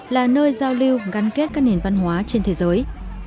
là nơi giao lưu gắn kết các nền văn hóa trên thế giới